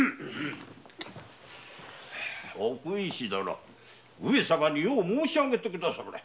奥医師殿上様によく申し上げてくだされ。